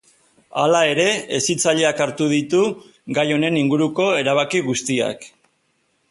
Hala ere, hezitzaileak hartu ditu gai honen inguruko erabaki guztiak.